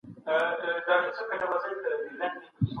خوشحالي په عبادت کي ده.